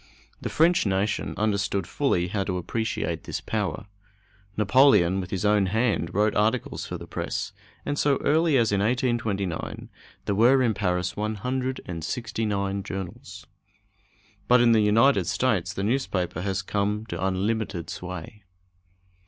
The French nation understood fully how to appreciate this power. Napoleon, with his own hand, wrote articles for the press, and so early as in 1829 there were in Paris 169 journals. But in the United States the newspaper has come to unlimited sway.